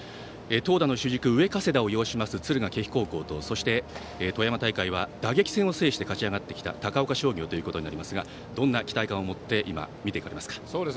投打の主軸、上加世田を擁します敦賀気比高校と富山大会は打撃戦を制して勝ち上がってきた高岡商業となりますがどんな期待感を持って見ていますか？